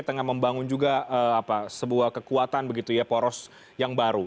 tengah membangun juga sebuah kekuatan begitu ya poros yang baru